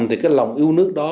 thì cái lòng yêu nước đó